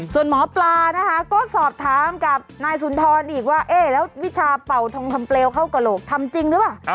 ส่วนหมอปราก็สอบถามกับนายสุนทรอีกว่าวิชาเป่าธงคำเปลวเข้ากระโลกทำจริงหรือเปล่า